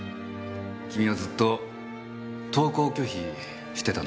君はずっと登校拒否してたんだってね。